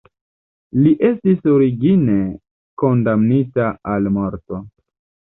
Li estis origine kondamnita al morto.